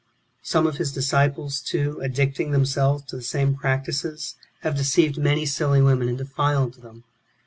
6. Some of his disciples, too, addicting themselves^ to the same practices, have deceived many silly women, and defiled them.